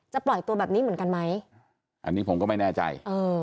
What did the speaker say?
ปล่อยตัวแบบนี้เหมือนกันไหมอันนี้ผมก็ไม่แน่ใจเออ